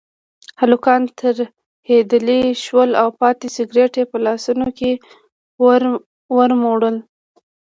هلکان ترهېدلي شول او پاتې سګرټ یې په لاسونو کې ومروړل.